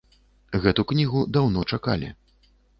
Гэту кнігу даўно чакалі.